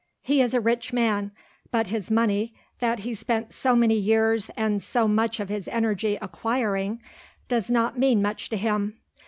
He is a rich man, but his money, that he spent so many years and so much of his energy acquiring, does not mean much to him.